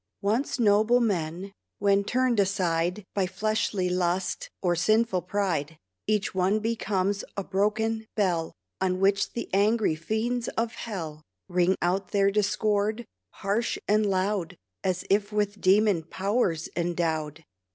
Once noble men, when turned aside By fleshly lust or sinful pride, Each one becomes a broken bell On which the angry fiends of hell Ring out their discord, harsh and loud, As if with demon powers endowed.